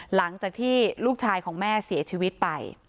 หลังจากที่ลูกชายของแม่เสียชีวิตไป